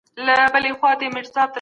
ډیپلوماسي باید د ولسي ګټو هنداره وي.